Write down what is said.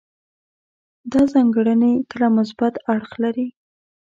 دا ځانګړنې کله مثبت اړخ اخلي.